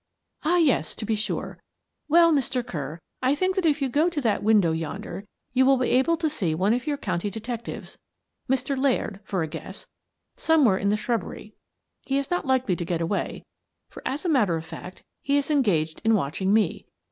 "Ah, yes — to be sure. Well, Mr. Kerr, I think that if you go to that window yonder you will be able to see one of your county detectives — Mr. Laird, for a guess — somewhere in the shrub bery. He is not likely to get away, for, as a matter of fact, he is engaged in watching me.